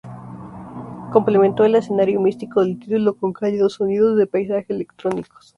Complementó el escenario místico del título con cálidos sonidos de paisaje electrónicos.